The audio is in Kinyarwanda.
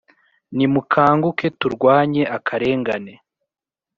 Nimukanguke turwanye akarengane.